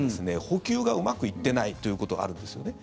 補給がうまくいっていないということがあるんですよね。